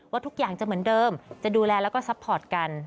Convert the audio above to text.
ทุกอย่างจะเหมือนเดิมจะดูแลแล้วก็ซัพพอร์ตกัน